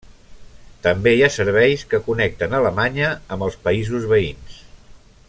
També hi ha serveis que connecten Alemanya amb els països veïns.